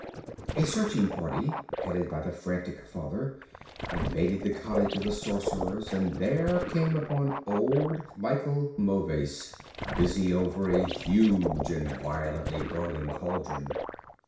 A searching party, headed by the frantic father, invaded the cottage of the sorcerers and there came upon old Michel Mauvais, busy over a huge and violently boiling cauldron.